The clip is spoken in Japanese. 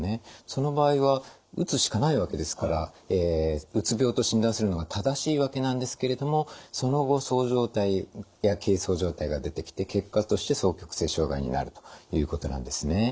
その場合はうつしかないわけですからうつ病と診断するのが正しいわけなんですけれどもその後そう状態や軽そう状態が出てきて結果として双極性障害になるということなんですね。